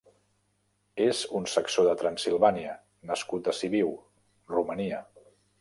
És un saxó de Transsilvània nascut a Sibiu, Romania.